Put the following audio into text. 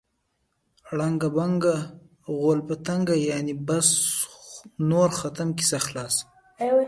ړنګه بنګه غول په تنګه. یعنې بس نور ختم، کیسه خلاصه.